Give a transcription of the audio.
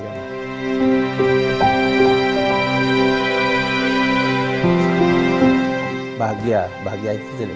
bahagia bahagia itu tidak bisa dibayar dengan uang